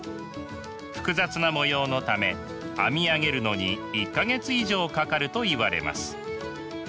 複雑な模様のため編み上げるのに１か月以上かかるといわれます。